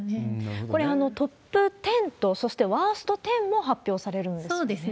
これはトップ１０と、そしてワースト１０も発表されるんですよね。